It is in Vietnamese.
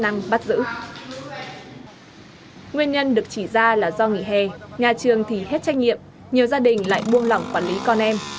nguyên nhân được chỉ ra là do nghỉ hè nhà trường thì hết trách nhiệm nhiều gia đình lại buông lỏng quản lý con em